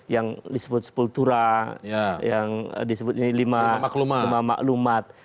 yang disebut sekultura yang disebutnya lima maklumat